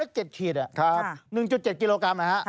แล้วก็๗ขีดอ่ะ๑๗กิโลกรัม